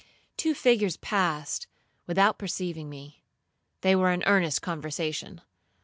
Two figures passed, without perceiving me; they were in earnest conversation.